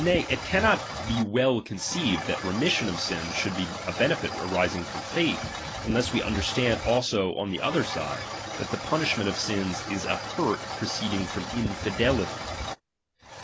Nay, it cannot be well conceived, that remission of sins should be a benefit arising from /aith, unless we understand also on the other side, that the punishment of sins is an hurt proceeding from infidelity.